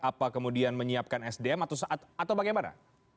apa kemudian menyiapkan sdm atau bagaimana